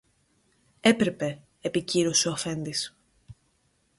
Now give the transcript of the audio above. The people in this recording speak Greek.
Έπρεπε, επεκύρωσε ο αφέντης.